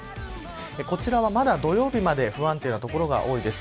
こちらは、まだ土曜日まで不安定な所が多いです。